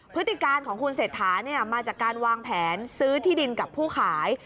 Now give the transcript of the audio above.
พฤติการของคุณเศรษฐามาจากการวางแผนซื้อที่ดินกับผู้ขาย